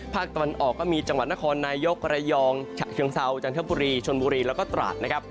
ภาคตะวันออกก็มีจังหวัดนครนายกระยองฉะเชิงเซาจันทบุรีชนบุรีแล้วก็ตราดนะครับ